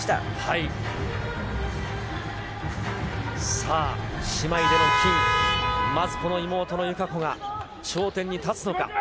さあ、姉妹での金、まずこの妹の友香子が頂点に立つのか。